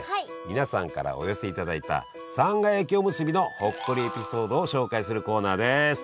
皆さんからお寄せいただいたさんが焼きおむすびのほっこりエピソードを紹介するコーナーです！